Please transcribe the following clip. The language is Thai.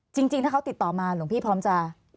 จริงถ้าเขาติดต่อมาหลวงพี่พร้อมจะ